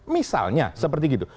misalnya seperti gitu